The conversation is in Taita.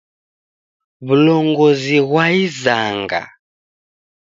W'ulongozi ghwa isanga.